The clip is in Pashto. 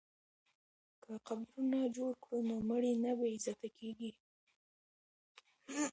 که قبرونه جوړ کړو نو مړي نه بې عزته کیږي.